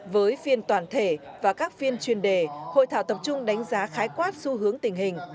với phiên toàn thể và các phiên chuyên đề hội thảo tập trung đánh giá khái quát xu hướng tình hình